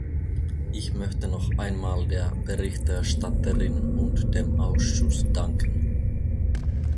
Ich möchte noch einmal der Berichterstatterin und dem Ausschuss danken.